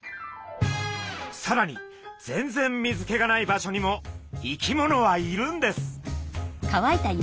さらに全然水けがない場所にも生き物はいるんです。